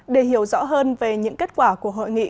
để hiểu rõ hơn về những kết quả của hội nghị